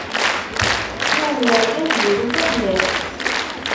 yiwen n urgaz yuru tamellalt!